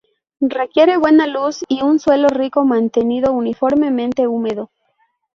Requiere buena luz y un suelo rico mantenido uniformemente húmedo.